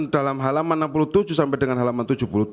dalam halaman enam puluh tujuh sampai dengan halaman tujuh puluh tujuh